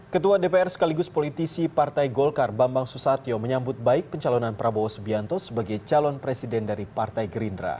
ketua dpr sekaligus politisi partai golkar bambang susatyo menyambut baik pencalonan prabowo subianto sebagai calon presiden dari partai gerindra